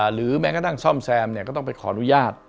หรือแม้กระทั่งซ่อมแซมก็ต้องไปขออนุญาต